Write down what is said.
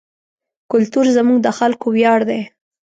کلتور زموږ د خلکو ویاړ دی.